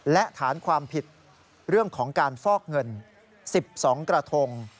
และฐานความผิดเรื่องของการฟอกเงิน๑๒กระทง